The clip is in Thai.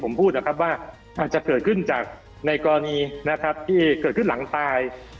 มันคือต้องหลั่งตาย